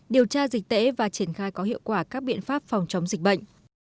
điều tra dịch tễ và triển khai có hiệu quả các biện pháp phòng chống dịch bệnh